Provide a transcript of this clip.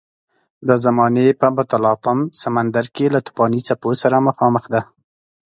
د زمانې په متلاطم سمندر کې له توپاني څپو سره مخامخ ده.